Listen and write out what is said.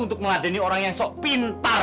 untuk mengadani orang yang sok pintar